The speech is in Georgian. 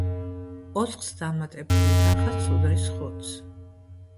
ოთხს დამატებული „რაღაც“ უდრის ხუთს.